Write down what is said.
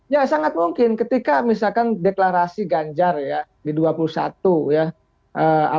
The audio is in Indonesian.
ya sangat mungkin ketika misalkan deklarasi ganjar ya di dua puluh satu ya